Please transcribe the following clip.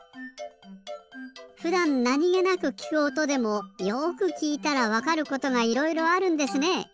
ふだんなにげなくきくおとでもよくきいたらわかることがいろいろあるんですね。